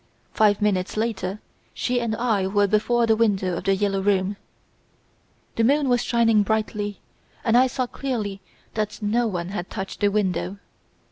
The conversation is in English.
Five minutes later she and I were before the window of "The Yellow Room". "'The moon was shining brightly and I saw clearly that no one had touched the window.